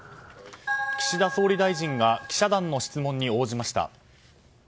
岸田総理大臣が記者団の質問に応じました。